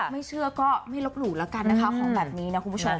ไม่เชื่อก็ไม่ลบหลู่แล้วกันนะคะของแบบนี้นะคุณผู้ชม